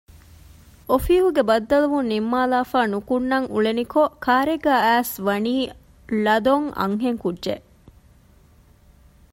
އޮފީހުގެ ބައްދަލުވުން ނިންމާލާފައި ނިކުންނަން އުޅެނިކޮން ކާރެއްގައި އައިސް ވަނީ ޅަދޮން އަންހެންކުއްޖެއް